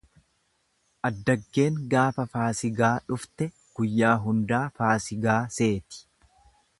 Addaggeen gaafa faasigaa dhufte guyyaa hundaa faasigaa seeti.